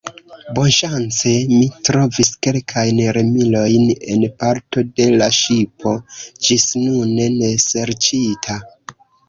Bonŝance, mi trovis kelkajn remilojn en parto de la ŝipo ĝisnune neserĉita.